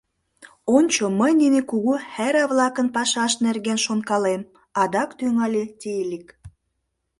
— Ончо, мый нине кугу хӓрра-влакын пашашт нерген шонкалем, — адак тӱҥале Тиилик.